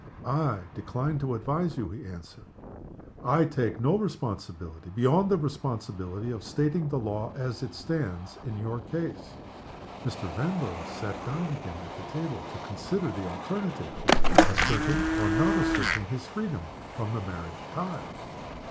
"I decline to advise you," he answered. "I take no responsibility, beyond the responsibility of stating the law as it stands, in your case." Mr. Vanborough sat down again at the table, to consider the alternative of asserting or not asserting his freedom from the marriage tie.